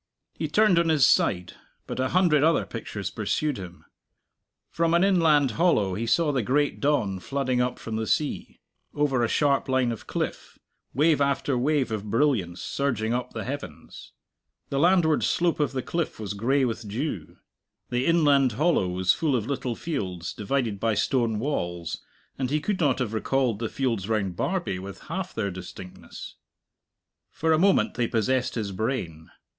He turned on his side, but a hundred other pictures pursued him. From an inland hollow he saw the great dawn flooding up from the sea, over a sharp line of cliff, wave after wave of brilliance surging up the heavens. The landward slope of the cliff was gray with dew. The inland hollow was full of little fields, divided by stone walls, and he could not have recalled the fields round Barbie with half their distinctness. For a moment they possessed his brain.